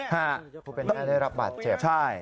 พวกเป็นแม่ได้รับบัตรเจ็บ